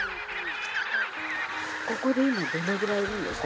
ここで今どのぐらいいるんですか？